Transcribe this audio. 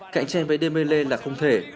cạnh tranh với dembele là không thể